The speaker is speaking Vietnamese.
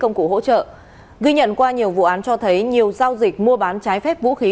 công cụ hỗ trợ ghi nhận qua nhiều vụ án cho thấy nhiều giao dịch mua bán trái phép vũ khí